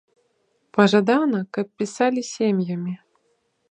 Пажадана, каб пісалі сем'ямі.